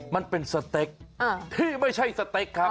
มันเป็นสเต็กที่ไม่ใช่สเต็กครับ